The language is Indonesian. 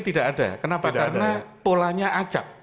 tidak ada kenapa karena polanya acak